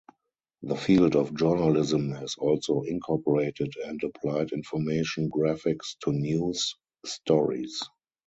The field of journalism has also incorporated and applied information graphics to news stories.